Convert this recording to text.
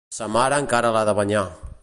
Sa mare encara l'ha de banyar.